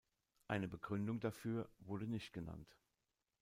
Eine Begründung dafür wurde nicht genannt.